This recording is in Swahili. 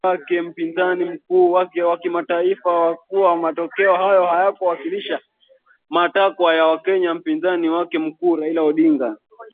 wa kimataifa kuwa matokeo hayo hayakuwakilisha matakwa ya Wakenya Mpinzani wake mkuu Raila Odinga